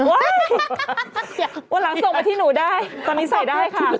วันหลังส่งมาที่หนูได้ตอนนี้ใส่ได้ค่ะ